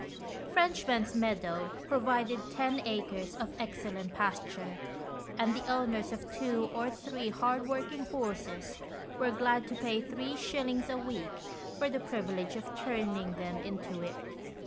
Frenchman's Meadow provided ten acres of excellent pasture, and the owners of two or three hard worked horses were glad to pay three shillings a week for the privilege of turning them into it.